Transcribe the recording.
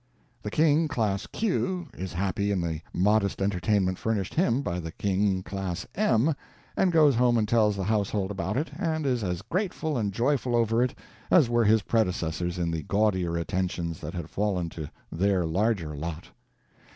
The king, class Q, is happy in the modest entertainment furnished him by the king, class M, and goes home and tells the household about it, and is as grateful and joyful over it as were his predecessors in the gaudier attentions that had fallen to their larger lot.